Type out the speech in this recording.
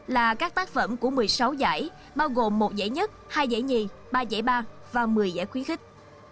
là các tác phẩm của một mươi sáu giải bao gồm một giải nhất hai giải nhì ba giải ba và một mươi giải khuyến khích